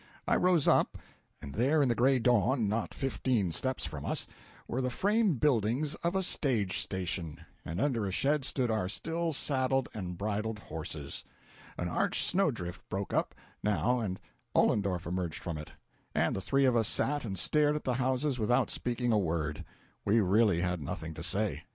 I rose up, and there in the gray dawn, not fifteen steps from us, were the frame buildings of a stage station, and under a shed stood our still saddled and bridled horses! An arched snow drift broke up, now, and Ollendorff emerged from it, and the three of us sat and stared at the houses without speaking a word. We really had nothing to say.